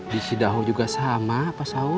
di si daul juga sama pak saul